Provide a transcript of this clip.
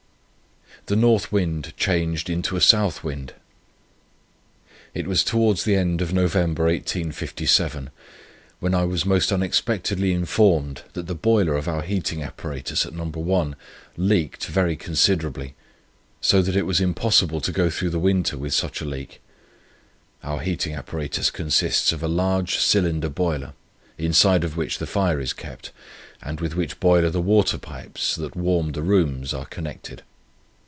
THE NORTH WIND CHANGED INTO A SOUTH WIND. "It was towards the end of November of 1857, when I was most unexpectedly informed that the boiler of our heating apparatus at No. 1 leaked very considerably, so that it was impossible to go through the winter with such a leak. Our heating apparatus consists of a large cylinder boiler, inside of which the fire is kept, and with which boiler the water pipes, that warm the rooms, are connected.